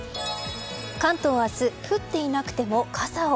関東明日、降っていなくても傘を。